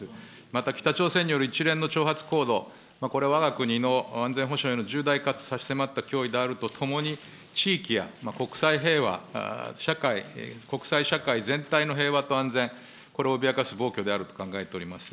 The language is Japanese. また北朝鮮による一連の挑発行動、これ、わが国の安全保障への重大かつ差し迫った脅威であるとともに、地域や国際平和、社会、国際社会全体の平和と安全、これを脅かす暴挙であると考えております。